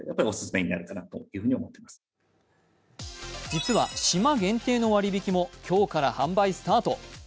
実は、島限定の割り引きも今日から販売スタート。